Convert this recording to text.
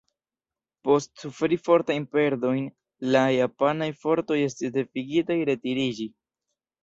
Post suferi fortajn perdojn, la japanaj fortoj estis devigitaj retiriĝi.